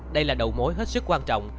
đây là đầu mối hết sức quan trọng